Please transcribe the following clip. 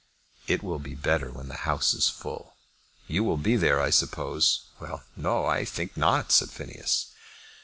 "It will be better when the house is full." "You will be there, I suppose?" "Well, no; I think not," said Phineas.